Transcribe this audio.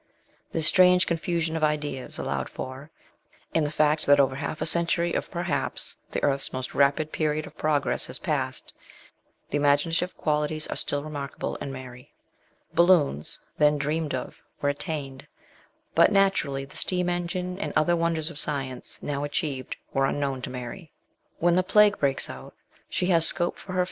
This strange confusion of ideas allowed for, and the fact that over half a century of perhaps the earth's most rapid period of progress has passed, the imaginative qualities are still remarkable in Mary. Balloons, then dreamed of, were attained ; but naturally the steam engine and other wonders of science, now achieved, were unknown to Mary. When the plague breaks out she has scope for her 188 MBS. SHELLEY.